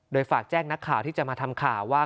โดยฝากแจ้งนักข่าวที่จะมาทำข่าวว่า